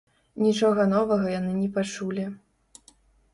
Нічога новага яны не пачулі.